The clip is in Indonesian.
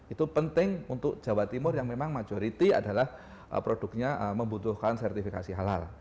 itu penting untuk jawa timur yang memang majority adalah produknya membutuhkan sertifikasi halal